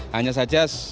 hanya saja kita berjubel